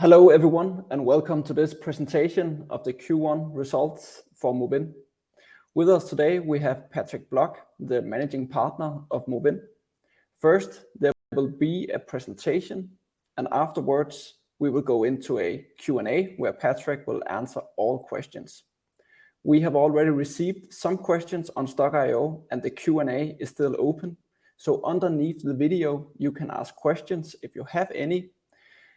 Hello everyone, welcome to this presentation of the Q1 results for Movinn. With us today we have Patrick Blok, the Managing Partner of Movinn. First, there will be a presentation, and afterwards, we will go into a Q&A where Patrick will answer all questions. We have already received some questions on Stokk.io and the Q&A is still open. Underneath the video you can ask questions if you have any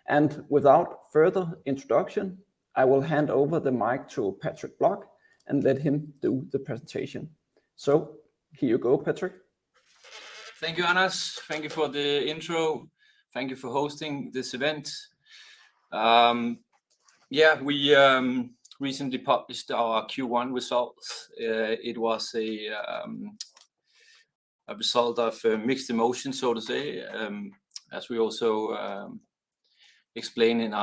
and without further introduction, I will hand over the mic to Patrick Blok and let him do the presentation. Here you go, Patrick. Thank you, Anders. Thank you for the intro. Thank you for hosting this event. Yeah, we recently published our Q1 results. It was a result of mixed emotions, so to say, as we also explained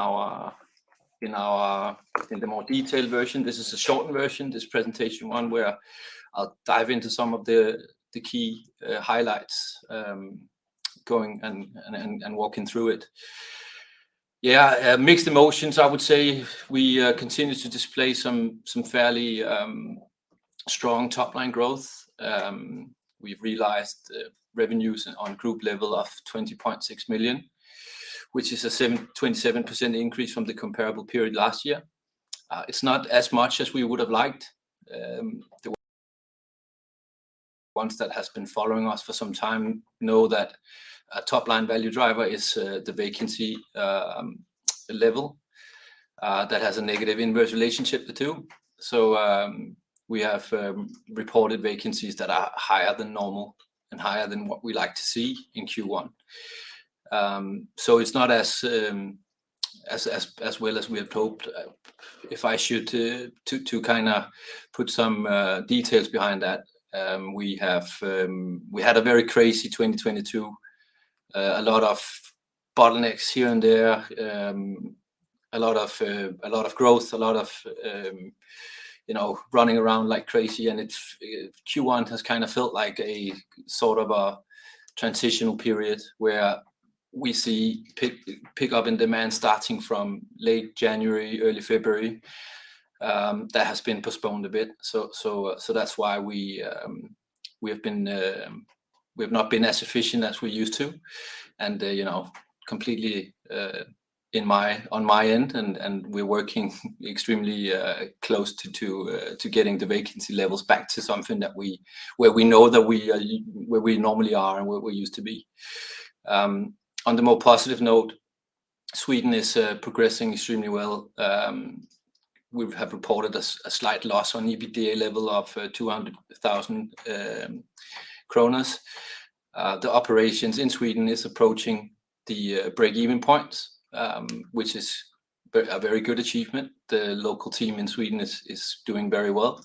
in the more detailed version. This is a shortened version, this presentation one, where I'll dive into some of the key highlights, going and walking through it. Yeah, mixed emotions I would say. We continue to display some fairly strong top-line growth. We've realized revenues on group level of 20.6 million, which is a 27% increase from the comparable period last year. It's not as much as we would have liked. The ones that has been following us for some time know that a top line value driver is the vacancy level that has a negative inverse relationship, the two. We had a very crazy 2022, a lot of bottlenecks here and there. A lot of, a lot of growth, a lot of, you know, running around like crazy. It's not as well as we had hoped. If I should to kinda put some details behind that, we have... Q1 has kind of felt like a sort of a transitional period where we see pick up in demand starting from late January, early February, that has been postponed a bit. That's why we have been, we have not been as efficient as we used to and, you know, completely on my end and, we're working extremely close to getting the vacancy levels back to something that we know that we are where we normally are and where we used to be. On the more positive note, Sweden is progressing extremely well. We've reported a slight loss on EBITDA level of 200,000 kronor. The operations in Sweden is approaching the break-even point, which is a very good achievement. The local team in Sweden is doing very well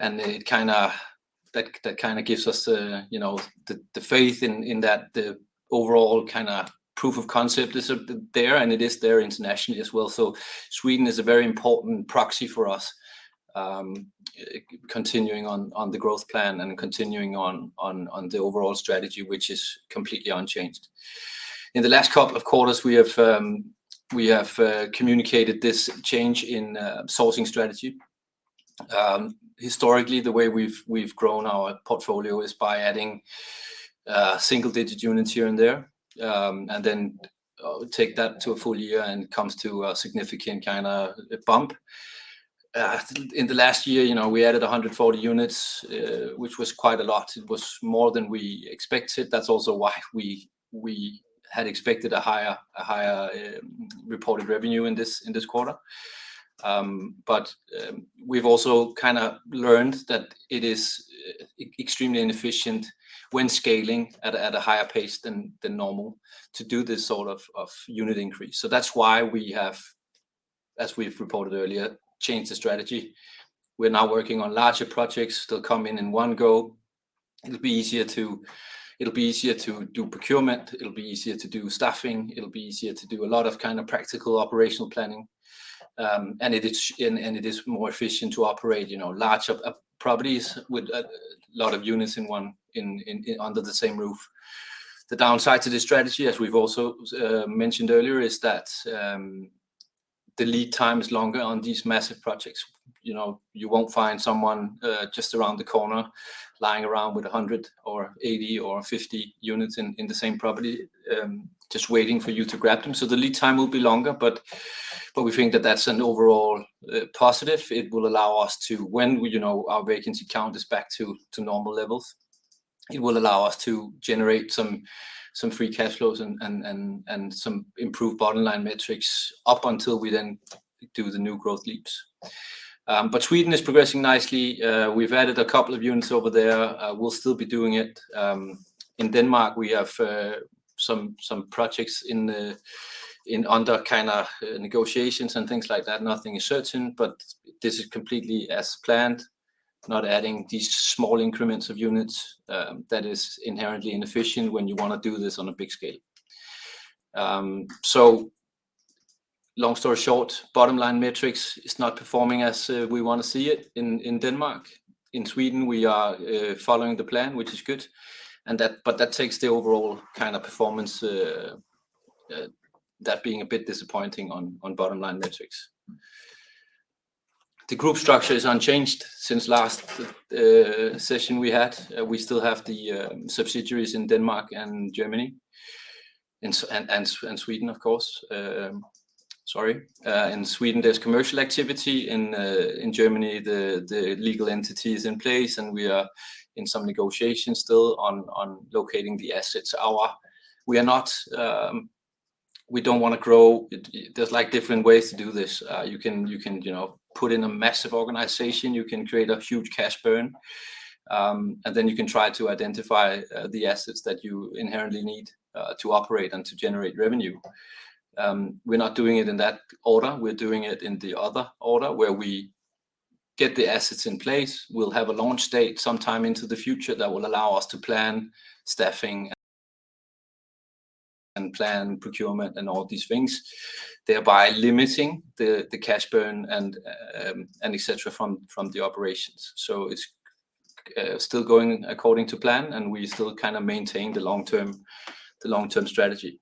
and that kind of gives us, you know, the faith in that the overall kind of proof of concept is there and it is there internationally as well. Sweden is a very important proxy for us, continuing on the growth plan and continuing on the overall strategy which is completely unchanged. In the last couple of quarters we have communicated this change in sourcing strategy. Historically, the way we've grown our portfolio is by adding single-digit units here and there, and then take that to a full year and it comes to a significant kind of bump. In the last year, you know, we added 140 units, which was quite a lot. It was more than we expected. That's also why we had expected a higher reported revenue in this quarter. We've also kind of learned that it is extremely inefficient when scaling at a higher pace than normal to do this sort of unit increase. That's why we have, as we've reported earlier, changed the strategy. We're now working on larger projects that come in in one go. It'll be easier to do procurement, it'll be easier to do staffing, it'll be easier to do a lot of kind of practical operational planning. It is more efficient to operate, you know, larger properties with a lot of units under the same roof. The downside to this strategy, as we've also mentioned earlier, is that the lead time is longer on these massive projects. You know, you won't find someone just around the corner lying around with 100 or 80 or 50 units in the same property, just waiting for you to grab them. The lead time will be longer but we think that that's an overall positive. It will allow us to when, you know, our vacancy count is back to normal levels, it will allow us to generate some free cash flows and some improved bottom line metrics up until we then do the new growth leaps. Sweden is progressing nicely. We've added a couple of units over there. We'll still be doing it. In Denmark we have some projects in under kind of negotiations and things like that. Nothing is certain, but this is completely as planned. Not adding these small increments of units, that is inherently inefficient when you want to do this on a big scale. Long story short, bottom line metrics is not performing as we want to see it in Denmark. In Sweden, we are following the plan, which is good but that takes the overall kind of performance that being a bit disappointing on bottom line metrics. The group structure is unchanged since last session we had. We still have the subsidiaries in Denmark and Germany and Sweden of course, sorry. In Sweden there's commercial activity, in Germany the legal entity is in place and we are in some negotiations still on locating the assets. We are not, we don't wanna grow. There's like different ways to do this. You can, you know, put in a massive organization, you can create a huge cash burn, and then you can try to identify the assets that you inherently need to operate and to generate revenue. We're not doing it in that order, we're doing it in the other order where we get the assets in place. We'll have a launch date sometime into the future that will allow us to plan staffing and plan procurement and all these things, thereby limiting the cash burn and et cetera from the operations. It's still going according to plan, and we still kind of maintain the long-term strategy.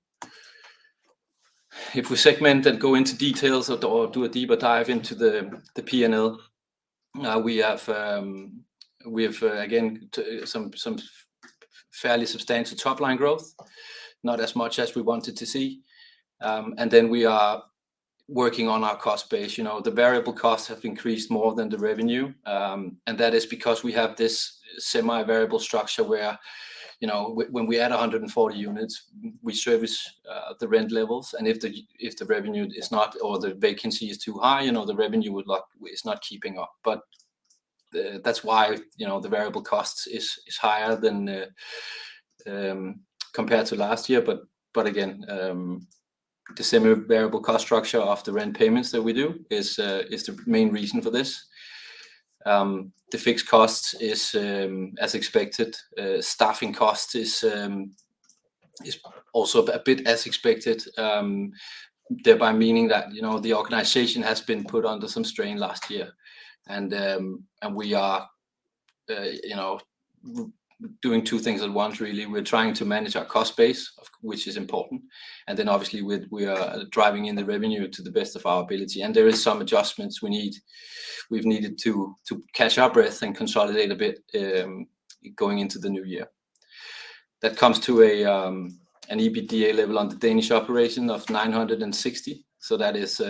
If we segment and go into details or do a deeper dive into the P&L, we have again some fairly substantial top line growth. Not as much as we wanted to see. We are working on our cost base. You know, the variable costs have increased more than the revenue, and that is because we have this semi-variable structure where, you know, when we add 140 units, we service the rent levels and if the revenue is not or the vacancy is too high, you know, the revenue is not keeping up. That's why, you know, the variable cost is higher than compared to last year. Again, the semi-variable cost structure of the rent payments that we do is the main reason for this. The fixed cost is as expected. Staffing cost is also a bit as expected, thereby meaning that, you know, the organization has been put under some strain last year. We are, you know, doing two things at once really. We're trying to manage our cost base, which is important, and then obviously we are driving in the revenue to the best of our ability and there is some adjustments we need. We've needed to catch our breath and consolidate a bit, going into the new year. That comes to an EBITDA level on the Danish operation of 960. That is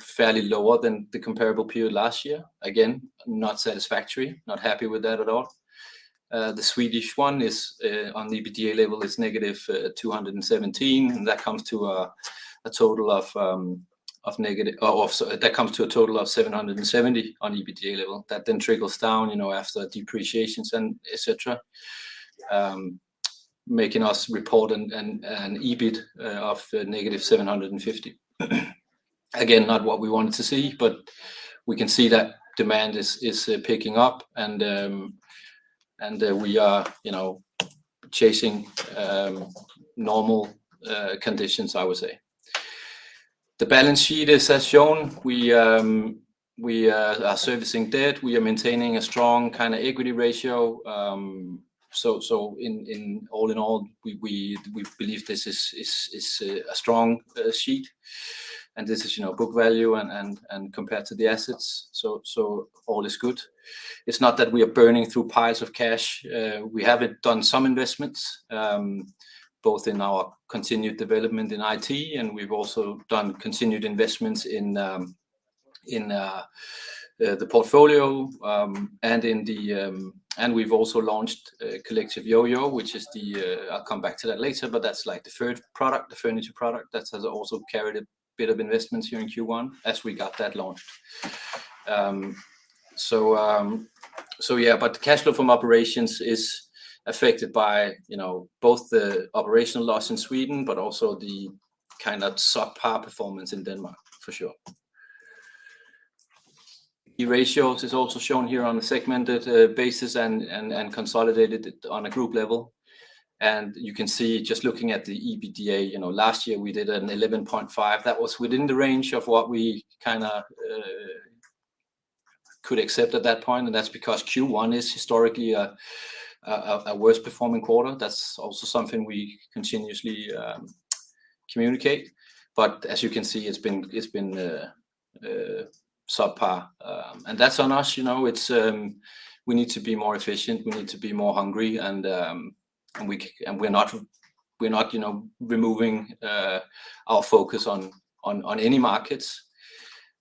fairly lower than the comparable period last year. Not satisfactory, not happy with that at all. The Swedish one is on the EBITDA level is negative 217, and that comes to a total of 770 on EBITDA level that then trickles down, you know, after depreciations and et cetera. Making us report an EBIT of DKK -750. Not what we wanted to see, but we can see that demand is picking up, and we are, you know, chasing normal conditions I would say. The balance sheet as has shown we are servicing debt. We are maintaining a strong kind of equity ratio. All in all we believe this is a strong sheet and this is, you know, book value and compared to the assets. All is good. It's not that we are burning through piles of cash. We have done some investments both in our continued development in IT and we've also done continued investments in the portfolio. We've also launched Collective Yoyo which is the... I'll come back to that later but that's like the third product, the furniture product that has also carried a bit of investments here in Q1 as we got that launched. Yeah, but cash flow from operations is affected by, you know, both the operational loss in Sweden but also the kind of subpar performance in Denmark for sure. Key ratios is also shown here on a segmented basis and consolidated on a group level. You can see just looking at the EBITDA, you know, last year we did an 11.5%. That was within the range of what we kinda could accept at that point and that's because Q1 is historically a worst performing quarter. That's also something we continuously communicate but as you can see it's been subpar. That's on us, you know? It's, we need to be more efficient, we need to be more hungry and we're not, we're not, you know, removing our focus on any markets.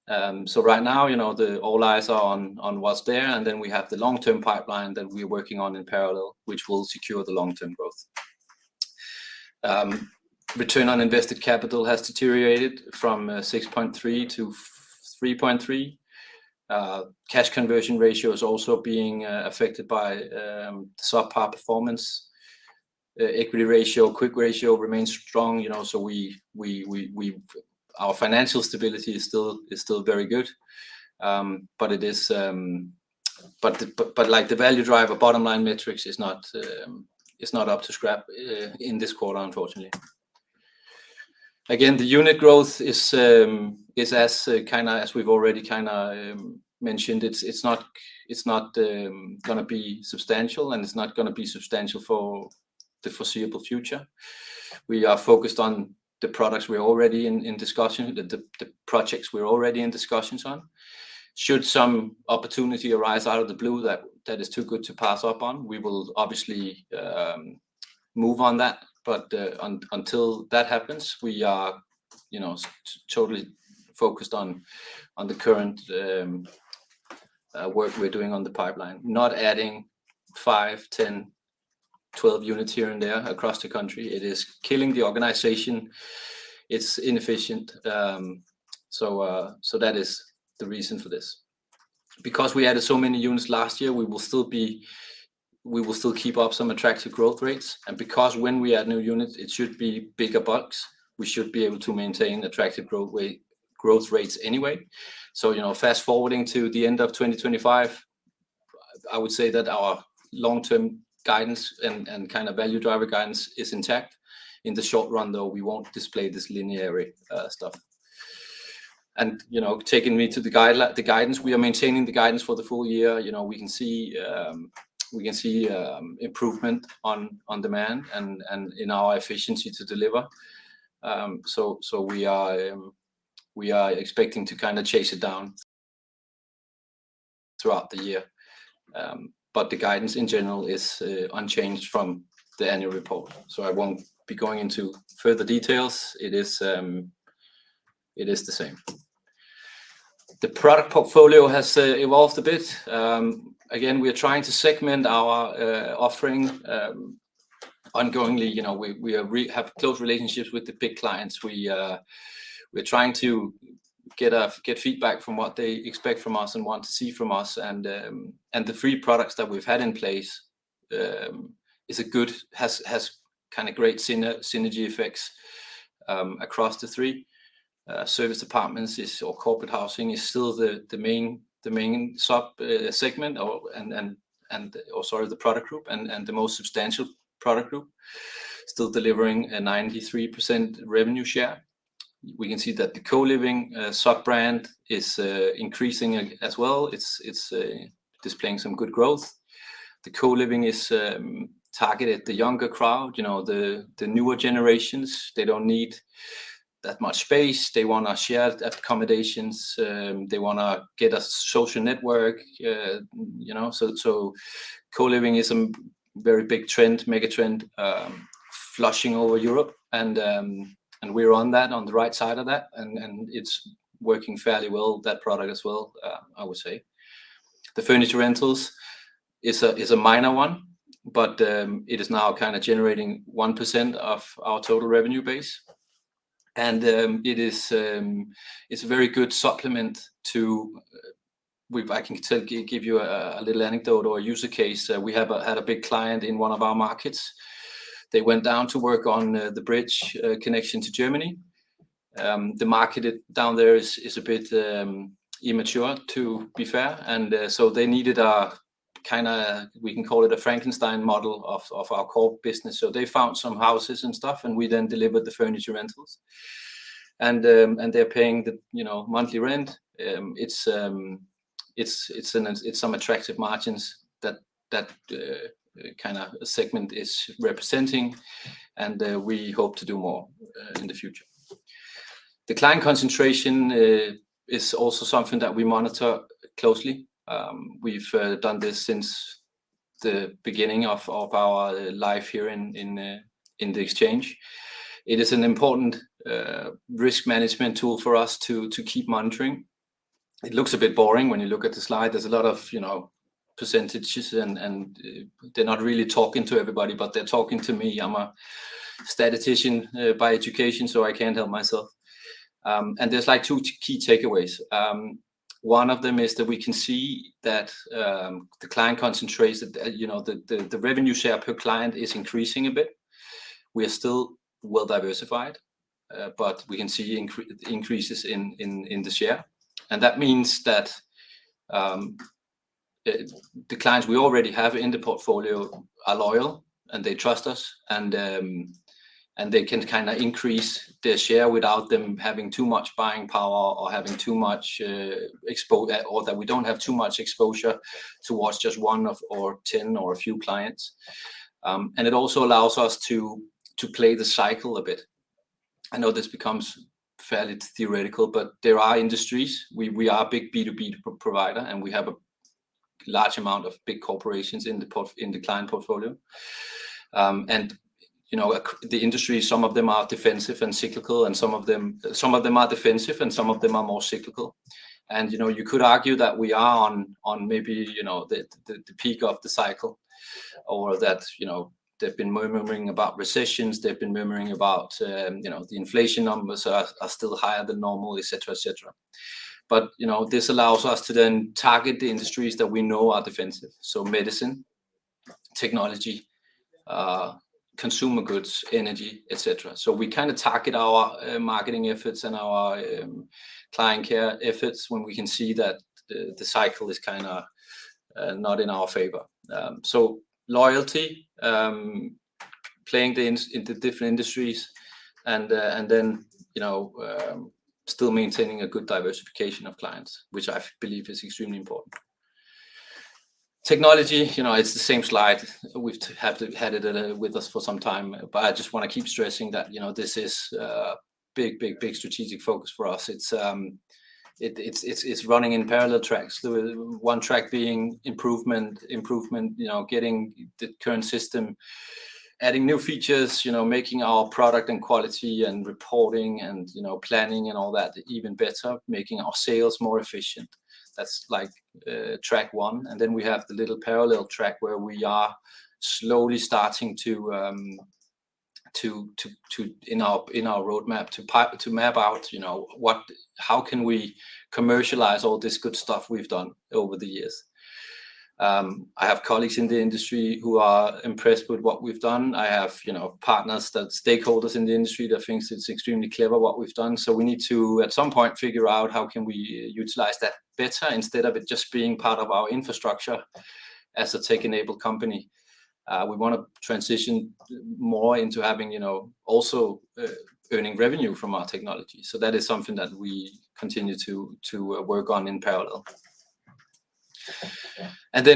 Right now, you know, the all eyes are on what's there and then we have the long-term pipeline that we're working on in parallel which will secure the long-term growth. Return on invested capital has deteriorated from 6.3-3.3. Cash conversion ratio is also being affected by subpar performance. Equity ratio, quick ratio remains strong, you know, so we our financial stability is still very good. The, but like the value driver bottom line metrics is not, is not up to scrap in this quarter, unfortunately. Again, the unit growth is as we've already mentioned, it's not gonna be substantial, and it's not gonna be substantial for the foreseeable future. We are focused on the products we're already in discussions on. Should some opportunity arise out of the blue that is too good to pass up on, we will obviously move on that. Until that happens, we are, you know, totally focused on the current work we're doing on the pipeline. Not adding five, 10, 12 units here and there across the country. It is killing the organization. It's inefficient. That is the reason for this. Because we added so many units last year, we will still keep up some attractive growth rates. Because when we add new units, it should be bigger bucks, we should be able to maintain attractive growth rates anyway. You know, fast-forwarding to the end of 2025, I would say that our long-term guidance and kind of value driver guidance is intact. In the short run though, we won't display this linear stuff. You know, taking me to the guidance, we are maintaining the guidance for the full year. You know, we can see improvement on demand and in our efficiency to deliver. We are expecting to kind of chase it down throughout the year. The guidance in general is unchanged from the annual report. I won't be going into further details. It is the same. The product portfolio has evolved a bit. Again, we are trying to segment our offering ongoingly. You know, we have close relationships with the big clients. We're trying to get feedback from what they expect from us and want to see from us. The three products that we've had in place has kind of great synergy effects across the three. Serviced apartments is, or Corporate housing is still the main, the main sub segment or sorry, the product group and the most substantial product group, still delivering a 93% revenue share. We can see that the Co-living sub-brand is increasing as well. It's displaying some good growth. The Co-living is targeted the younger crowd, you know, the newer generations. They don't need that much space. They wanna shared accommodations. They wanna get a social network, you know. Co-living is a very big trend, mega trend, flushing over Europe and we're on that, on the right side of that, and it's working fairly well, that product as well, I would say. The furniture rentals is a minor one, but it is now kind of generating 1% of our total revenue base. It is a very good supplement to... I can tell you a little anecdote or a user case. We had a big client in one of our markets. They went down to work on the bridge connection to Germany. The market down there is a bit immature, to be fair, so they needed a kind of, we can call it a Frankenstein model of our core business. They found some houses and stuff, and we then delivered the furniture rentals. They're paying the, you know, monthly rent. It's some attractive margins that kind of segment is representing, we hope to do more in the future. The client concentration is also something that we monitor closely. We've done this since the beginning of our life here in the exchange. It is an important risk management tool for us to keep monitoring. It looks a bit boring when you look at the slide. There's a lot of, you know, percentages, and they're not really talking to everybody, but they're talking to me. I'm a statistician by education, so I can't help myself. There's like two key takeaways. One of them is that we can see that the client concentration, you know, the revenue share per client is increasing a bit. We are still well diversified, but we can see increases in the share. That means that the clients we already have in the portfolio are loyal, and they trust us and they can kind of increase their share without them having too much buying power or having too much exposure or that we don't have too much exposure towards just one of or 10 or a few clients. It also allows us to play the cycle a bit. I know this becomes fairly theoretical, but there are industries. We are a big B2B provider, and we have a large amount of big corporations in the client portfolio. You know, the industry, some of them are defensive and cyclical, and some of them are defensive, and some of them are more cyclical. You know, you could argue that we are on maybe, you know, the, the peak of the cycle or that, you know, they've been murmuring about recessions. They've been murmuring about, you know, the inflation numbers are still higher than normal, et cetera, et cetera. You know, this allows us to then target the industries that we know are defensive. Medicine technology, consumer goods, energy, et cetera. We kind of target our marketing efforts and our client care efforts when we can see that the cycle is kind of not in our favor. Loyalty, playing in the different industries and then, you know, still maintaining a good diversification of clients which I believe is extremely important. Technology, you know, it's the same slide. We've had it with us for some time. I just wanna keep stressing that, you know, this is a big, big, big strategic focus for us. It's running in parallel tracks. The one track being improvement, you know, getting the current system, adding new features, you know, making our product and quality and reporting and, you know, planning and all that even better, making our sales more efficient. That's like track one. We have the little parallel track where we are slowly starting to in our roadmap to map out, you know, how can we commercialize all this good stuff we've done over the years. I have colleagues in the industry who are impressed with what we've done. I have, you know, partners that, stakeholders in the industry that thinks it's extremely clever what we've done, so we need to at some point figure out how can we utilize that better instead of it just being part of our infrastructure as a tech-enabled company. We wanna transition more into having, you know, also, earning revenue from our technology, so that is something that we continue to work on in parallel.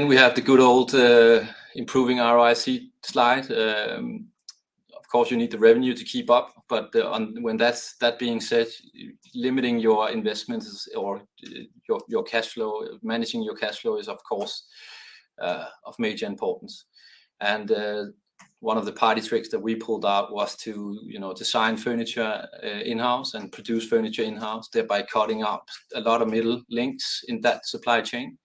We have the good old, improving our ROIC slide. Of course, you need the revenue to keep up, but when that's, that being said, limiting your investments or your cash flow, managing your cash flow is, of course, of major importance. One of the party tricks that we pulled out was to, you know, design furniture in-house and produce furniture in-house, thereby cutting out a lot of middle links in that supply chain.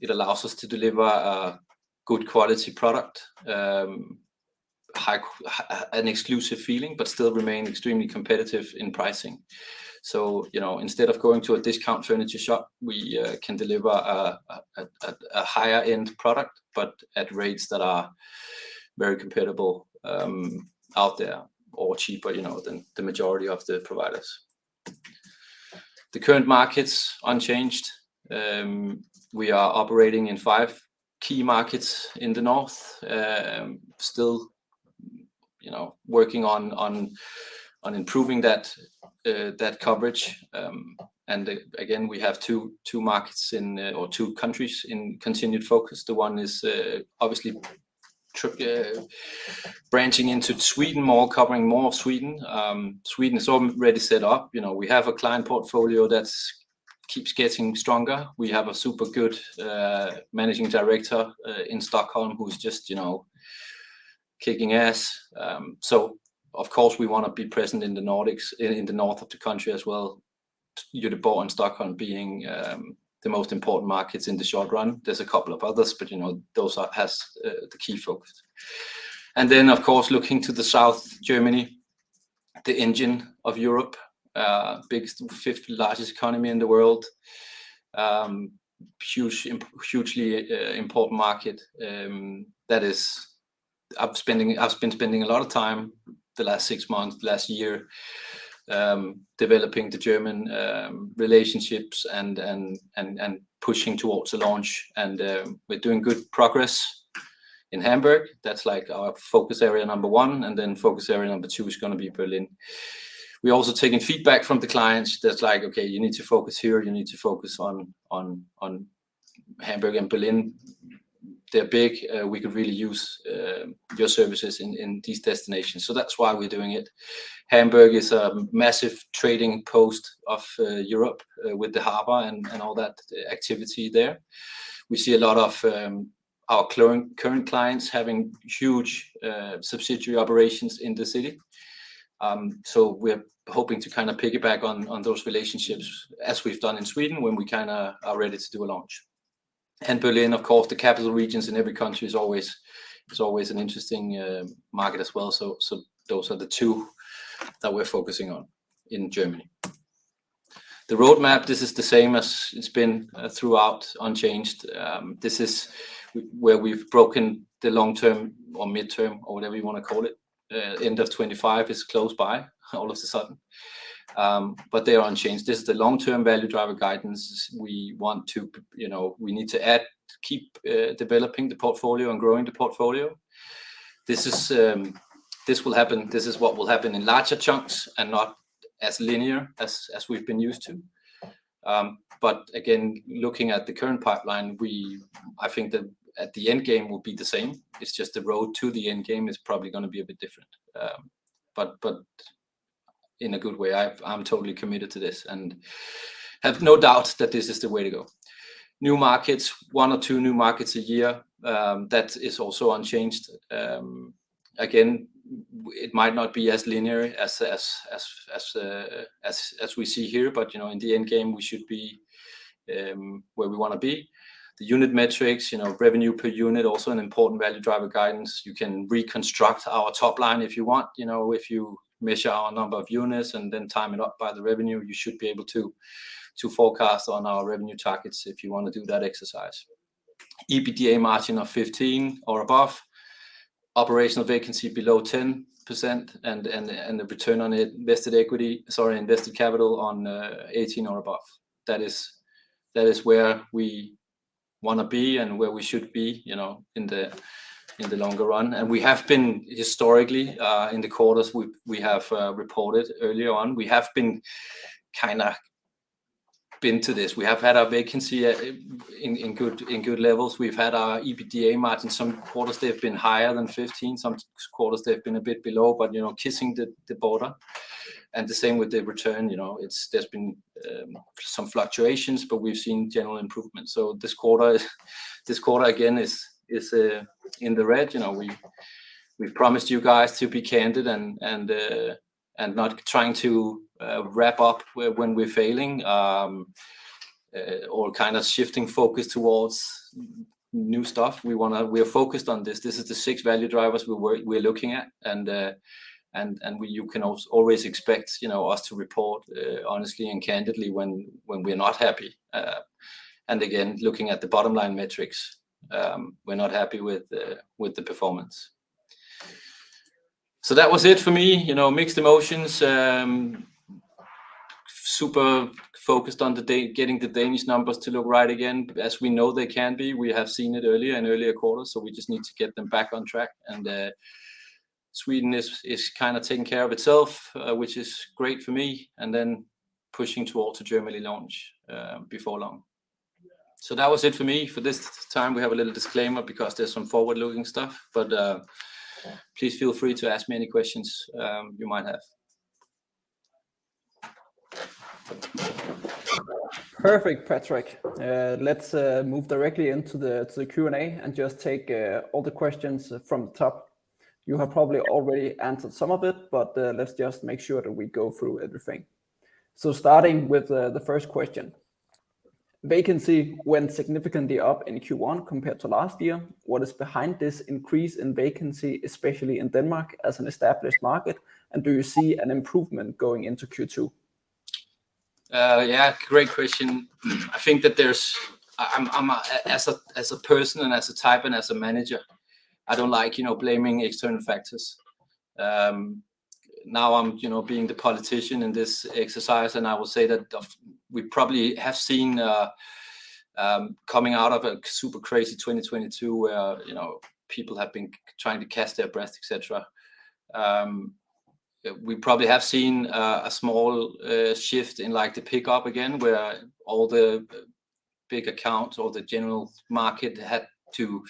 It allows us to deliver a good quality product, an exclusive feeling but still remain extremely competitive in pricing. You know, instead of going to a discount furniture shop, we can deliver a higher end product but at rates that are very comparable out there or cheaper, you know, than the majority of the providers. The current markets unchanged. We are operating in five key markets in the North. Still, you know, working on improving that coverage. Again, we have two markets in, or two countries in continued focus. The one is, obviously branching into Sweden more, covering more of Sweden. Sweden is already set up. You know, we have a client portfolio that's keeps getting stronger. We have a super good managing director in Stockholm who's just, you know, kicking ass. Of course, we wanna be present in the Nordics, in the north of the country as well. Göteborg and Stockholm being the most important markets in the short run. There's a couple of others, but you know, those are, has, the key focus. Then of course looking to the South, Germany, the engine of Europe, biggest, 5th largest economy in the world. huge, hugely important market, that is... I've been spending a lot of time the last six months, the last year, developing the German relationships and pushing towards the launch. We're doing good progress in Hamburg. That's like our focus area number one, and then focus area number two is gonna be Berlin. We're also taking feedback from the clients that's like, "Okay, you need to focus here. You need to focus on Hamburg and Berlin. They're big. We could really use your services in these destinations." That's why we're doing it. Hamburg is a massive trading post of Europe with the harbor and all that activity there. We see a lot of our current clients having huge subsidiary operations in the city. We're hoping to kind of piggyback on those relationships as we've done in Sweden when we kinda are ready to do a launch. Berlin, of course, the capital regions in every country is always an interesting market as well. Those are the two that we're focusing on in Germany. The roadmap, this is the same as it's been throughout unchanged. This is where we've broken the long-term or midterm or whatever you wanna call it. End of 2025 is close by all of a sudden. They are unchanged. This is the long-term value driver guidance. We want to, you know, we need to add, keep developing the portfolio and growing the portfolio. This is what will happen in larger chunks and not as linear as we've been used to. Again, looking at the current pipeline, I think that at the end game will be the same. It's just the road to the end game is probably gonna be a bit different. In a good way. I'm totally committed to this and have no doubt that this is the way to go. New markets, one or two new markets a year, that is also unchanged. Again, it might not be as linear as we see here, but you know, in the end game we should be where we wanna be. The unit metrics, you know, revenue per unit, also an important value driver guidance. You can reconstruct our top line if you want. You know, if you measure our number of units and then time it up by the revenue, you should be able to forecast on our revenue targets if you wanna do that exercise. EBDA margin of 15 or above, operational vacancy below 10% and the return on invested equity, sorry, Return on invested capital on 18 or above. That is, that is where we wanna be and where we should be, you know, in the longer run. We have been historically in the quarters we have reported earlier on. We have been kinda been to this. We have had our vacancy in good levels. We've had our EBDA margin, some quarters they've been higher than 15, some quarters they've been a bit below, you know, kissing the border. The same with the return, you know, there's been some fluctuations, but we've seen general improvement. This quarter again is in the red. You know, we've promised you guys to be candid and not trying to wrap up when we're failing. Kind of shifting focus towards new stuff. We're focused on this. This is the six value drivers we're looking at and you can always expect, you know, us to report honestly and candidly when we're not happy. Again, looking at the bottom line metrics, we're not happy with the performance. That was it for me. You know, mixed emotions. Super focused on getting the Danish numbers to look right again, as we know they can be. We have seen it earlier in earlier quarters, so we just need to get them back on track. Sweden is kind of taking care of itself, which is great for me, and then pushing towards the Germany launch before long. That was it for me. For this time, we have a little disclaimer because there's some forward-looking stuff, but, please feel free to ask me any questions you might have. Perfect, Patrick. Let's move directly into the Q&A and just take all the questions from the top. You have probably already answered some of it, but let's just make sure that we go through everything. Starting with the first question. Vacancy went significantly up in Q1 compared to last year. What is behind this increase in vacancy, especially in Denmark as an established market, and do you see an improvement going into Q2? Yeah. Great question. I think that there's as a person and as a type and as a manager, I don't like, you know, blaming external factors. Now I'm, you know, being the politician in this exercise and I will say that we probably have seen coming out of a super crazy 2022 where, you know, people have been trying to catch their breath, et cetera. We probably have seen a small shift in like the pickup again, where all the big accounts or the general market had to,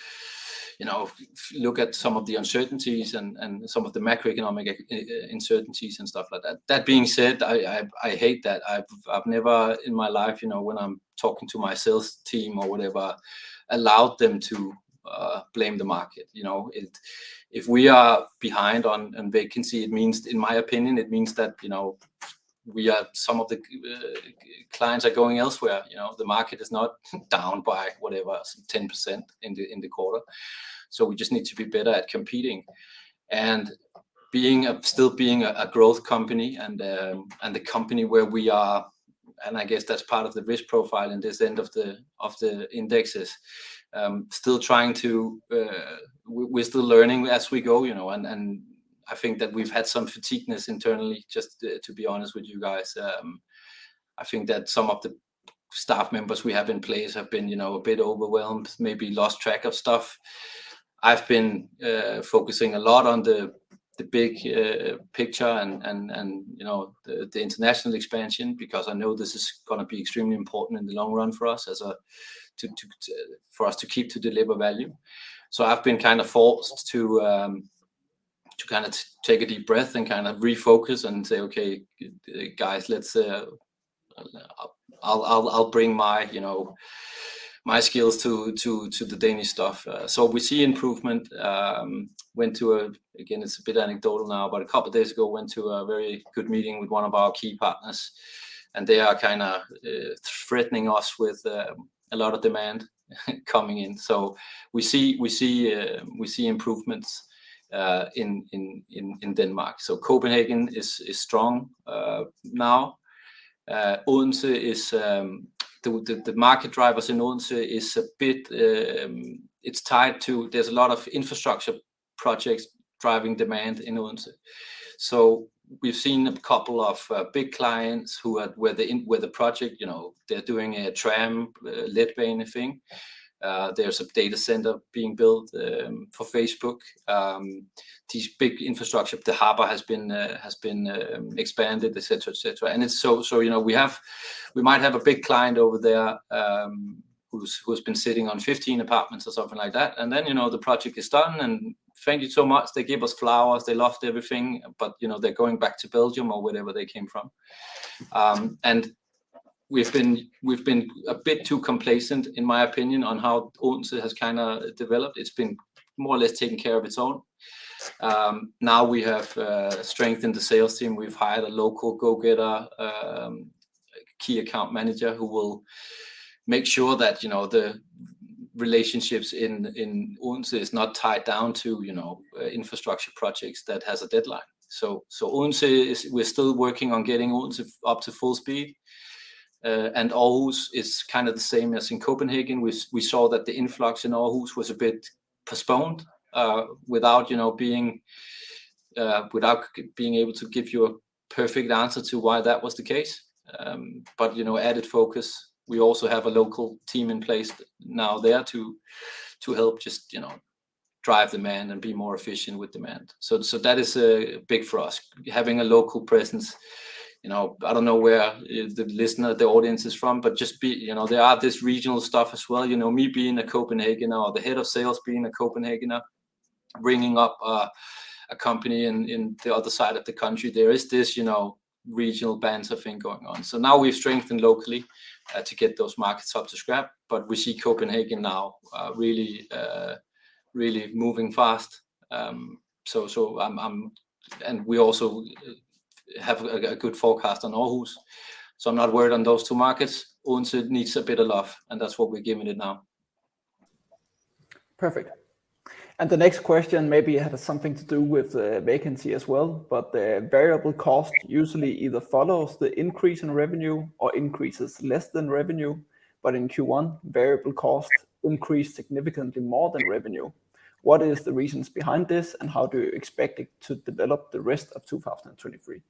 you know, look at some of the uncertainties and some of the macroeconomic uncertainties and stuff like that. That being said, I hate that. I've never in my life, you know, when I'm talking to my sales team or whatever, allowed them to blame the market. You know, if we are behind on vacancy, it means, in my opinion, it means that, you know, some of the clients are going elsewhere. You know, the market is not down by whatever, 10% in the, in the quarter. We just need to be better at competing and still being a growth company and the company where we are. I guess that's part of the risk profile and this end of the indexes. Still trying to... We're still learning as we go, you know, and I think that we've had some fatigueness internally, just to be honest with you guys. I think that some of the staff members we have in place have been, you know, a bit overwhelmed, maybe lost track of stuff. I've been focusing a lot on the big picture and, you know, the international expansion because I know this is gonna be extremely important in the long run for us for us to keep to deliver value. I've been kind of forced to kind of take a deep breath and kind of refocus and say, "Okay, guys, let's... I'll bring my, you know, my skills to the Danish stuff." We see improvement. Went to again, it's a bit anecdotal now, but a couple days ago went to a very good meeting with one of our key partners, and they are kind of threatening us with a lot of demand coming in. We see improvements in Denmark. Copenhagen is strong now. Odense is. The market drivers in Odense is a bit tied to there's a lot of infrastructure projects driving demand in Odense. We've seen a couple of big clients where the project, you know, they're doing a tram light rail thing. There's a data center being built for Facebook. These big infrastructure. The harbor has been expanded, et cetera, et cetera. It's so, you know, we might have a big client over there, who's been sitting on 15 apartments or something like that, and then, you know, the project is done, and thank you so much. They give us flowers. They loved everything. You know, they're going back to Belgium or wherever they came from. We've been a bit too complacent in my opinion on how Odense has kind of developed. It's been more or less taken care of its own. Now we have strengthened the sales team. We've hired a local go-getter, key account manager who will make sure that, you know, the relationships in Odense is not tied down to, you know, infrastructure projects that has a deadline. We're still working on getting Odense up to full speed. Aarhus is kind of the same as in Copenhagen. We saw that the influx in Aarhus was a bit postponed, without, you know, being able to give you a perfect answer to why that was the case, but, you know, added focus. We also have a local team in place now there to help just, you know, drive demand and be more efficient with demand. That is big for us. Having a local presence, you know, I don't know where the listener, the audience is from, but just, you know, there are this regional stuff as well. You know, me being a Copenhagener, or the head of sales being a Copenhagener, ringing up a company in the other side of the country, there is this, you know, regional bands of thing going on. Now we've strengthened locally to get those markets up to scrap. We see Copenhagen now really moving fast. We also have a good forecast on Aarhus, I'm not worried on those two markets. Odense needs a bit of love, that's what we're giving it now. Perfect. The next question maybe has something to do with vacancy as well, but the variable cost usually either follows the increase in revenue or increases less than revenue. In Q1, variable costs increased significantly more than revenue. What is the reasons behind this, and how do you expect it to develop the rest of 2023?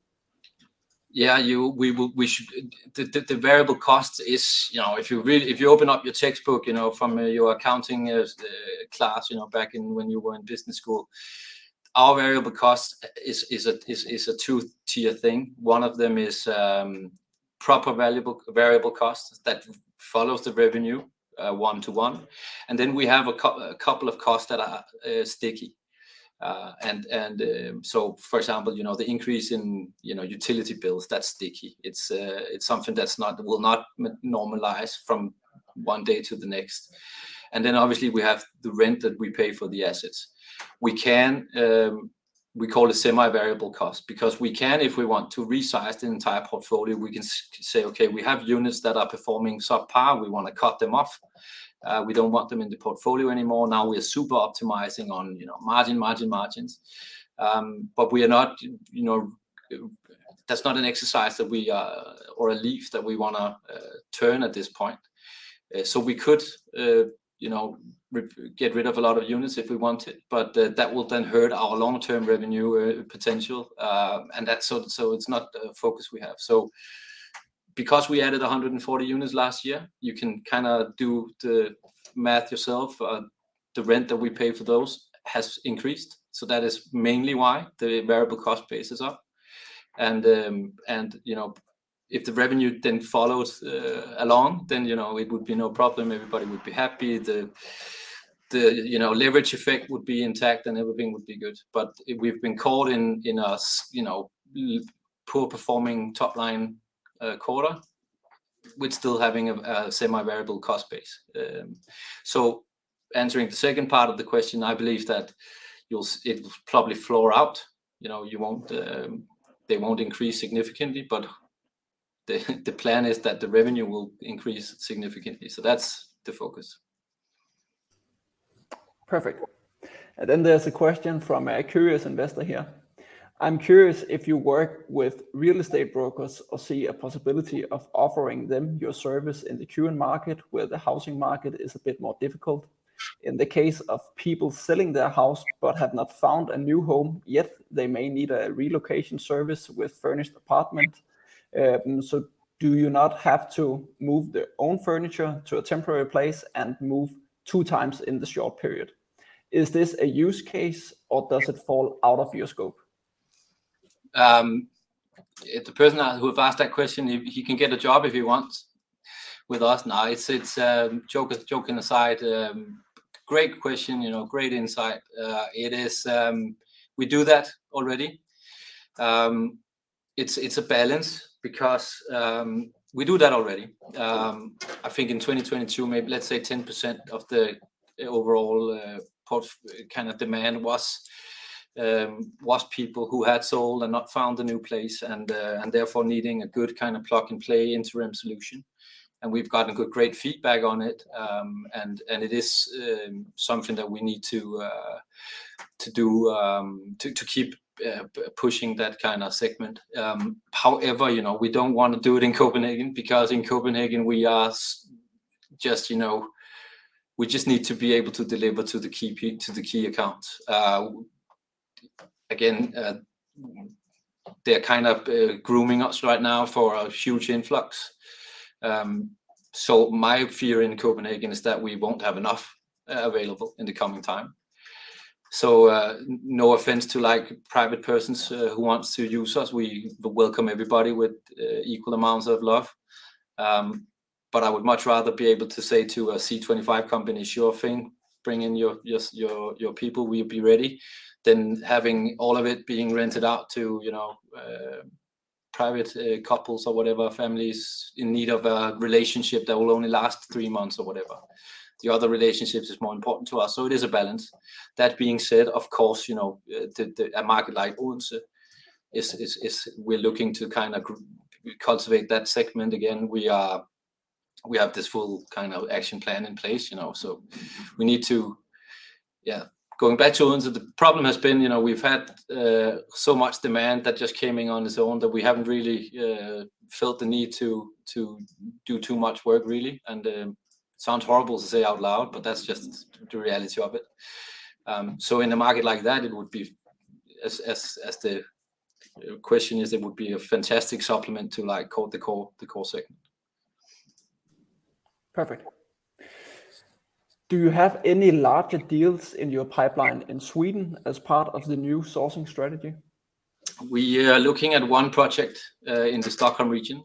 Yeah, we should the variable cost is, you know, if you read if you open up your textbook, you know, from your accounting class, you know, back in when you were in business school, our variable cost is a two-tier thing. One of them is proper variable costs that follows the revenue one-to-one, and then we have a couple of costs that are sticky. So for example, you know, the increase in, you know, utility bills, that's sticky. It's something that will not normalize from one day to the next. Obviously we have the rent that we pay for the assets. We can, we call it semi-variable cost because we can if we want to resize the entire portfolio. We can say, "Okay, we have units that are performing subpar. We wanna cut them off. We don't want them in the portfolio anymore." Now we are super optimizing on, you know, margin, margins. We are not, you know, that's not an exercise that we or a leaf that we wanna turn at this point. We could, you know, get rid of a lot of units if we wanted, but that will then hurt our long-term revenue potential. That's so it's not a focus we have. Because we added 140 units last year, you can kind of do the math yourself. The rent that we pay for those has increased, so that is mainly why the variable cost base is up. You know, if the revenue then follows along, then, you know, it would be no problem. Everybody would be happy. The, you know, leverage effect would be intact, and everything would be good. We've been caught in a, you know, poor performing top-line quarter with still having a semi-variable cost base. Answering the second part of the question, I believe that it'll probably floor out. You know, you won't, they won't increase significantly, the plan is that the revenue will increase significantly, that's the focus. Perfect. Then there's a question from a curious investor here: I'm curious if you work with real estate brokers or see a possibility of offering them your service in the current market where the housing market is a bit more difficult. In the case of people selling their house but have not found a new home yet, they may need a relocation service with furnished apartment. Do you not have to move their own furniture to a temporary place and move two times in the short period? Is this a use case, or does it fall out of your scope? The person who have asked that question, he can get a job if he wants with us. No, it's joking aside, great question, you know, great insight. It is, we do that already. It's, it's a balance because we do that already. I think in 2022, maybe let's say 10% of the overall kind of demand was people who had sold and not found a new place and therefore needing a good kind of plug-and-play interim solution. We've gotten good, great feedback on it, and it is something that we need to do to keep pushing that kind of segment. However, you know, we don't want to do it in Copenhagen because in Copenhagen we just need to be able to deliver to the key accounts. Again, they're kind of grooming us right now for a huge influx. My fear in Copenhagen is that we won't have enough available in the coming time. No offense to, like, private persons who wants to use us. We welcome everybody with equal amounts of love. I would much rather be able to say to a C25 company, "Sure thing. Bring in your people. We'll be ready, than having all of it being rented out to, you know, private couples or whatever, families in need of a relationship that will only last three months or whatever. The other relationships is more important to us, so it is a balance. That being said, of course, you know, the market like Odense is we're looking to kind of cultivate that segment again. We have this full kind of action plan in place, you know? We need to. Yeah, going back to Odense, the problem has been, you know, we've had so much demand that just came in on its own that we haven't really felt the need to do too much work really and Sounds horrible to say out loud, but that's just the reality of it. In a market like that, it would be as the question is, it would be a fantastic supplement to like call the call segment. Perfect. Do you have any larger deals in your pipeline in Sweden as part of the new sourcing strategy? We are looking at one project in the Stockholm region.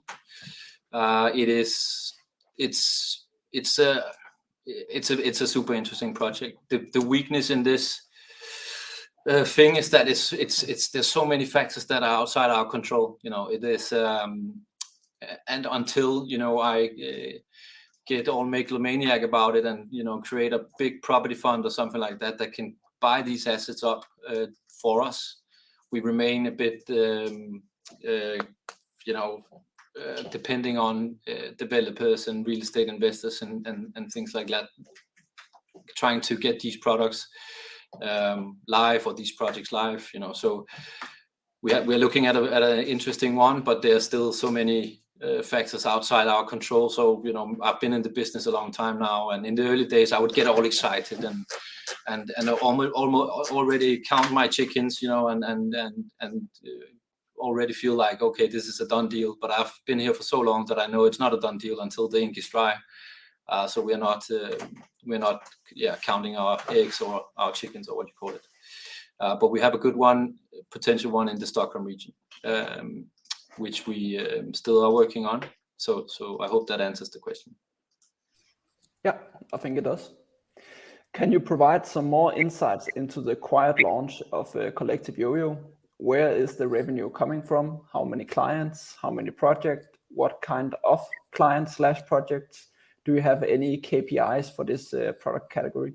It's a super interesting project. The weakness in this thing is that it's there's so many factors that are outside our control, you know. It is. Until, you know, I get all megalomaniac about it and, you know, create a big property fund or something like that that can buy these assets up for us, we remain a bit, you know, depending on developers and real estate investors and things like that trying to get these products live or these projects live, you know. We are looking at an interesting one, but there are still so many factors outside our control. You know, I've been in the business a long time now, and in the early days, I would get all excited and already count my chickens, you know, and already feel like, okay, this is a done deal. I've been here for so long that I know it's not a done deal until the ink is dry. We're not, yeah, counting our eggs or our chickens or what you call it. We have a good one, potential one in the Stockholm region, which we still are working on. I hope that answers the question. Yeah, I think it does. Can you provide some more insights into the quiet launch of Collective Yoyo? Where is the revenue coming from? How many clients? How many projects? What kind of clients/projects? Do you have any KPIs for this product category?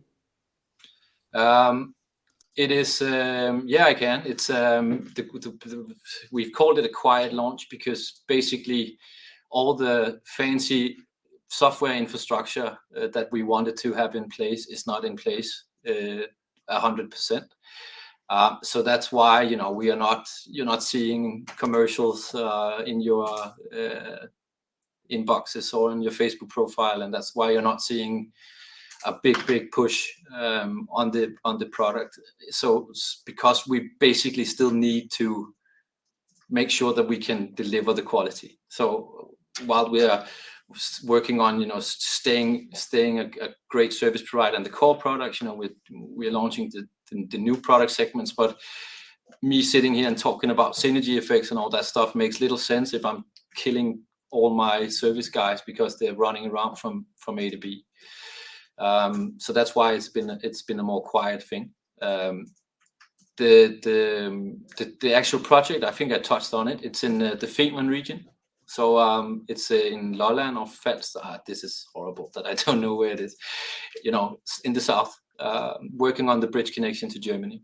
It is, yeah, I can. It's, the, we've called it a quiet launch because basically all the fancy software infrastructure that we wanted to have in place is not in place, a 100%. That's why, you know, we are not, you're not seeing commercials, in your, inboxes or in your Facebook profile. That's why you're not seeing a big push on the, on the product. Because we basically still need to make sure that we can deliver the quality. While we are working on, you know, staying a great service provider in the core product, you know, we are launching the new product segments. Me sitting here and talking about synergy effects and all that stuff makes little sense if I'm killing all my service guys because they're running around from A-B. That's why it's been a, it's been a more quiet thing. The actual project, I think I touched on it. It's in the Fehmarn region. It's in Lolland or Falster. This is horrible that I don't know where it is. You know, in the south, working on the bridge connection to Germany.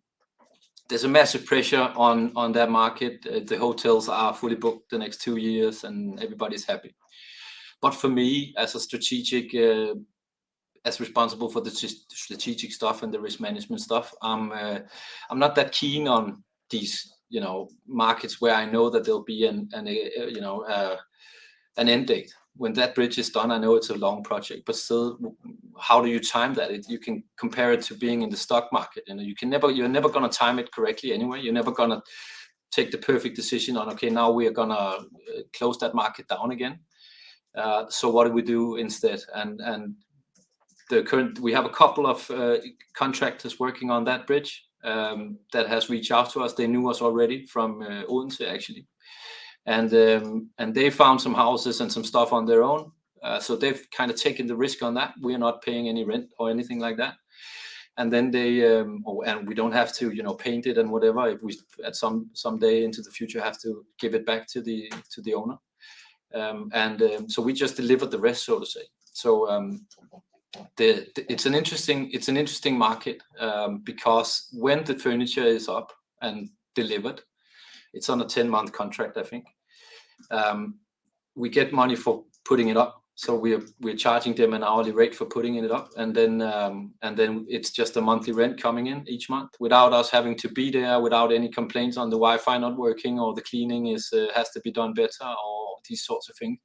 There's a massive pressure on that market. The hotels are fully booked the next two years, and everybody's happy. For me, as a strategic, as responsible for the strategic stuff and the risk management stuff, I'm not that keen on these, you know, markets where I know that there'll be an, you know, an end date. When that bridge is done, I know it's a long project, but still, how do you time that? You can compare it to being in the stock market, you can never, you're never gonna time it correctly anyway. You're never gonna take the perfect decision on, okay, now we are gonna close that market down again. What do we do instead? We have a couple of contractors working on that bridge that has reached out to us. They knew us already from Odense actually. They found some houses and some stuff on their own. They've kind of taken the risk on that. We're not paying any rent or anything like that. We don't have to, you know, paint it and whatever if we someday into the future have to give it back to the owner. We just deliver the rest, so to say. It's an interesting market because when the furniture is up and delivered, it's on a 10-month contract, I think. We get money for putting it up, so we're charging them an hourly rate for putting it up. It's just a monthly rent coming in each month without us having to be there, without any complaints on the Wi-Fi not working or the cleaning is, has to be done better or these sorts of things.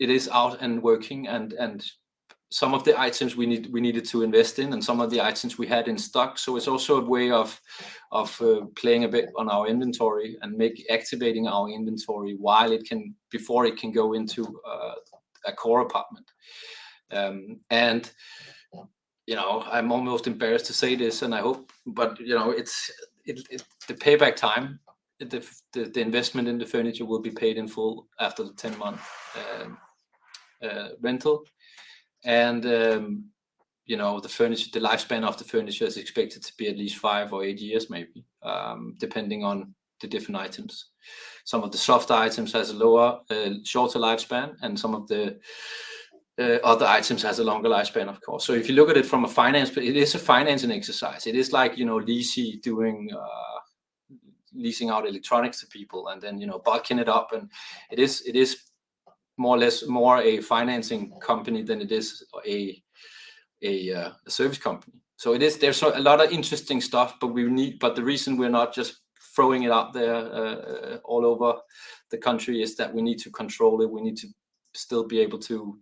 It is out and working and some of the items we need, we needed to invest in and some of the items we had in stock. It's also a way of playing a bit on our inventory and activating our inventory while it can, before it can go into a core apartment. You know, I'm almost embarrassed to say this, and I hope, but, you know, it's, the payback time, the investment in the furniture will be paid in full after the 10-month rental. You know, the furniture, the lifespan of the furniture is expected to be at least five or eight years maybe, depending on the different items. Some of the softer items has a lower, shorter lifespan, and some of the other items has a longer lifespan, of course. If you look at it is a financing exercise. It is like, you know, leasing, doing, leasing out electronics to people and then, you know, bulking it up. It is, it is more or less more a financing company than it is a service company. It is, there's a lot of interesting stuff, but the reason we're not just throwing it out there, all over the country is that we need to control it. We need to still be able to,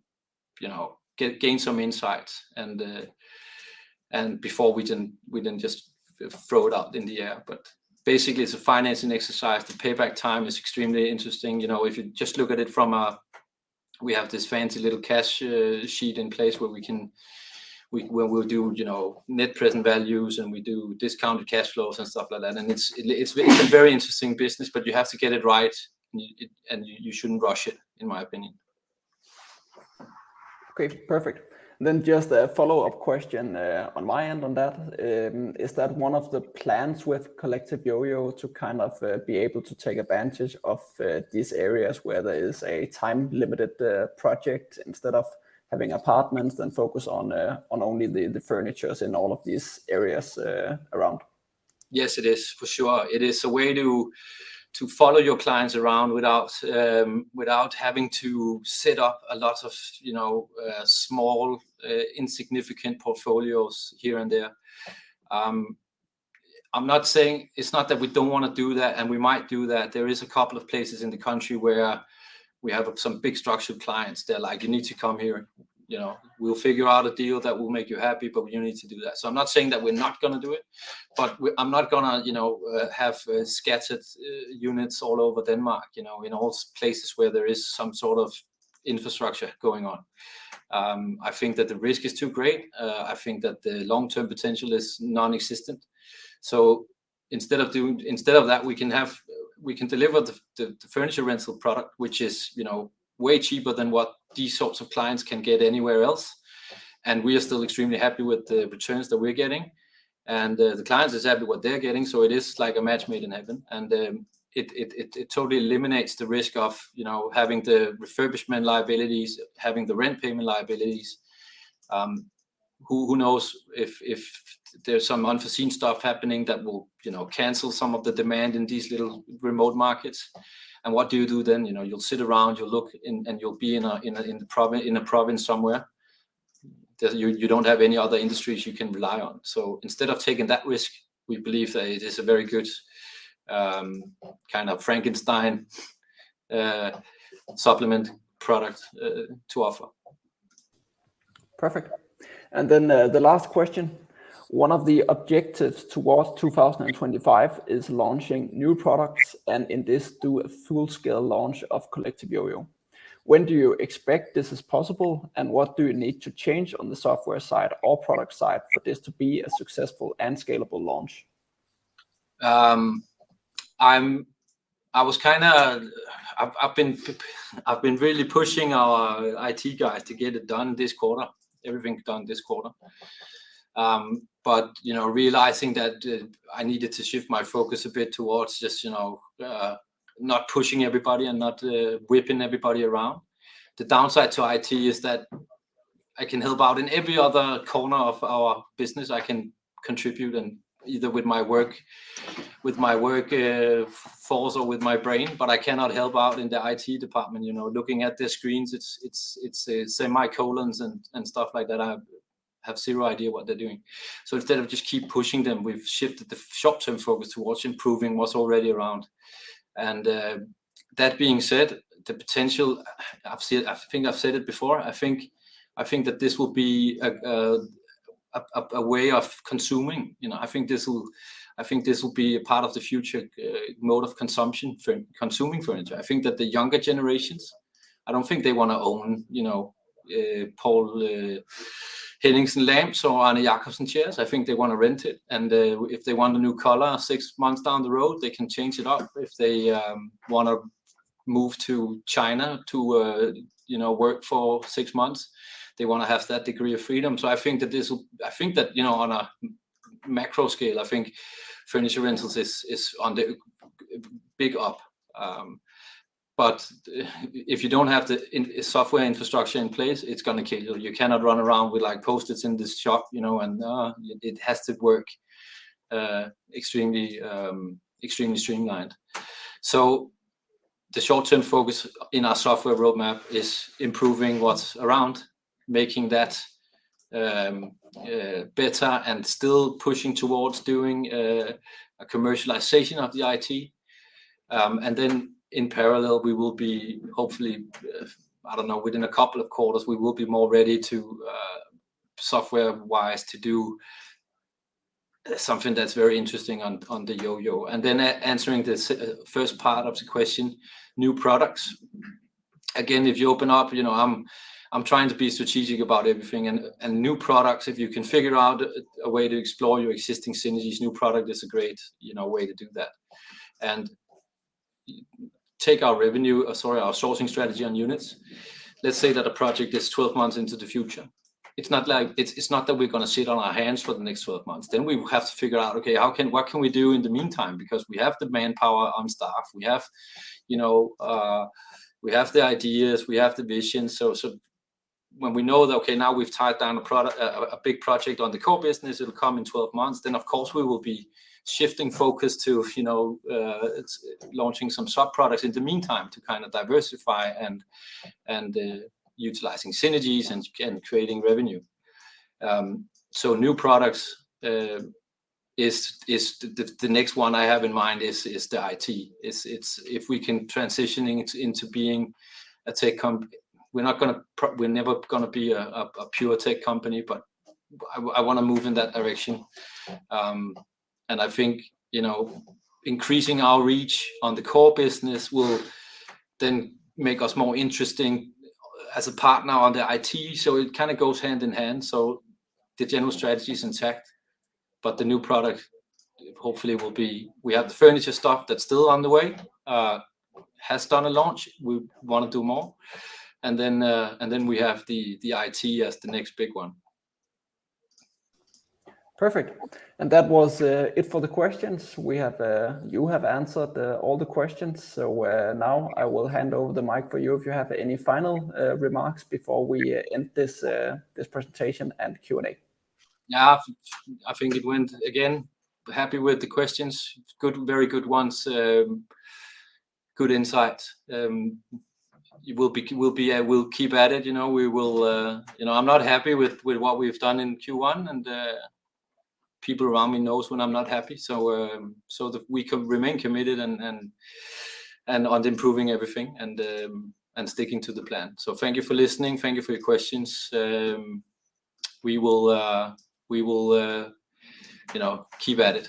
you know, gain some insights. Before we didn't just throw it up in the air. Basically, it's a financing exercise. The payback time is extremely interesting. You know, if you just look at it from a, we have this fancy little cash sheet in place where we'll do, you know, net present values, and we do discounted cash flows and stuff like that. It's a very interesting business, but you have to get it right, and you shouldn't rush it, in my opinion. Okay, perfect. Just a follow-up question on my end on that. Is that one of the plans with Collective Yoyo to kind of be able to take advantage of these areas where there is a time-limited project instead of having apartments and focus on only the furnitures in all of these areas around? Yes, it is, for sure. It is a way to follow your clients around without having to set up a lot of, you know, small, insignificant portfolios here and there. I'm not saying it's not that we don't wanna do that, and we might do that. There is a couple of places in the country where we have some big structured clients. They're like, "You need to come here. You know, we'll figure out a deal that will make you happy, but you need to do that." I'm not saying that we're not gonna do it, but I'm not gonna, you know, have scattered units all over Denmark, you know, in all places where there is some sort of infrastructure going on. I think that the risk is too great. I think that the long-term potential is non-existent. Instead of that, we can deliver the, the furniture rental product, which is, you know, way cheaper than what these sorts of clients can get anywhere else, and we are still extremely happy with the returns that we're getting, and the clients is happy what they're getting, so it is like a match made in heaven. It totally eliminates the risk of, you know, having the refurbishment liabilities, having the rent payment liabilities. Who knows if there's some unforeseen stuff happening that will, you know, cancel some of the demand in these little remote markets. What do you do then? You know, you'll sit around, you'll look and you'll be in a province somewhere that you don't have any other industries you can rely on. Instead of taking that risk, we believe that it is a very good kind of Frankenstein supplement product to offer. Perfect. Then, the last question. One of the objectives towards 2025 is launching new products and in this do a full-scale launch of Collective Yoyo. When do you expect this is possible, and what do you need to change on the software side or product side for this to be a successful and scalable launch? I was kinda, I've been really pushing our IT guys to get it done this quarter, everything done this quarter. you know, realizing that I needed to shift my focus a bit towards just, you know, not pushing everybody and not whipping everybody around. The downside to IT is that I can help out in every other corner of our business. I can contribute in either with my work force or with my brain, but I cannot help out in the IT department. You know, looking at the screens, it's semicolons and stuff like that. I have zero idea what they're doing. Instead of just keep pushing them, we've shifted the short-term focus towards improving what's already around. That being said, the potential, I've said, I think I've said it before, I think, I think that this will be a, a way of consuming. You know, I think this will, I think this will be a part of the future mode of consumption for consuming furniture. I think that the younger generations, I don't think they wanna own, you know, Poul Henningsen lamps or Arne Jacobsen chairs. I think they wanna rent it. If they want a new color six months down the road, they can change it up. If they wanna move to China to, you know, work for six months, they wanna have that degree of freedom. I think that I think that, you know, on a macro scale, I think furniture rentals is on the big up. If you don't have the software infrastructure in place, it's gonna kill you. You cannot run around with like Post-its in this shop, you know, and it has to work extremely streamlined. The short-term focus in our software roadmap is improving what's around, making that better and still pushing towards doing a commercialization of the IT. In parallel, we will be hopefully, I don't know, within a couple of quarters, we will be more ready to software-wise to do something that's very interesting on the Yoyo. Answering the first part of the question, new products. If you open up, you know, I'm trying to be strategic about everything and new products, if you can figure out a way to explore your existing synergies, new product is a great, you know, way to do that. Take our revenue, or sorry, our sourcing strategy on units. Let's say that a project is 12 months into the future. It's not that we're gonna sit on our hands for the next 12 months. We have to figure out, okay, what can we do in the meantime? Because we have the manpower on staff. We have, you know, we have the ideas. We have the vision. When we know that, okay, now we've tied down a product, a big project on the core business, it'll come in 12 months, then of course we will be shifting focus to, you know, launching some sub-products in the meantime to kind of diversify and utilizing synergies and creating revenue. New products is the next one I have in mind is the IT. It's if we can transitioning it into being a tech company, we're never gonna be a pure tech company, but I wanna move in that direction. I think, you know, increasing our reach on the core business will then make us more interesting as a partner on the IT. It kind of goes hand in hand. The general strategy is intact, but the new product hopefully will be, we have the furniture stuff that's still on the way, has done a launch. We want to do more. Then we have the IT as the next big one. Perfect. That was it for the questions. You have answered all the questions. Now I will hand over the mic for you if you have any final remarks before we end this presentation and Q&A. Yeah. Again, happy with the questions. Good, very good ones. Good insights. We will be, we'll keep at it. You know, we will. You know, I'm not happy with what we've done in Q1, and people around me know when I'm not happy. We remain committed and on improving everything and sticking to the plan. Thank you for listening. Thank you for your questions. We will, you know, keep at it.